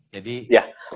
jadi terima kasih